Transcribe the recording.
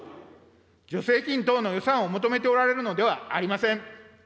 助成金等の予算を求めておられるのではありません。